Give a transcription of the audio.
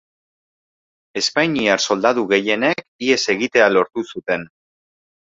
Espainiar soldadu gehienek ihes egitea lortu zuten.